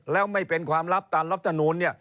แล้วไม่เป็นความลับตามรัฐมนูลเนี่ย